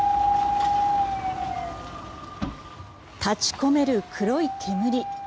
立ち込める黒い煙。